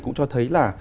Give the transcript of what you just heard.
cũng cho thấy là